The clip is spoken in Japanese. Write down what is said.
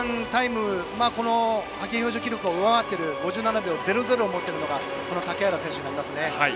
派遣標準記録を上回っている５７秒００を持っているのが竹原選手ですね。